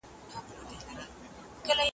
تل د بل عیبونه ګورې سترګي پټي کړې پر خپلو `